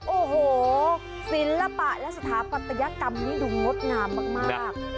โอ้โหศิลปะและสถาปัตยกรรมนี้ดูงดงามมาก